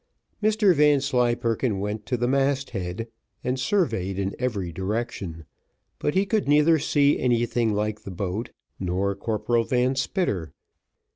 Mr Vanslyperken went to the mast head and surveyed in every direction, but he could neither see anything like the boat or Corporal Van Spitter.